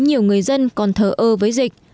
nhiều người dân còn thờ ơ với dịch